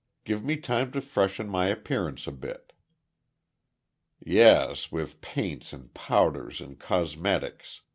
Give me time to freshen my appearance a bit." "Yes, with paints and powders and cosmetics!"